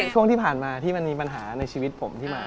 ช่วงที่ผ่านมาที่มันมีปัญหาในชีวิตผมที่มา